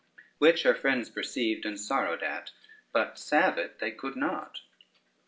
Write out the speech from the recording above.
Which her friends perceived and sorrowed at, but salve it they could not.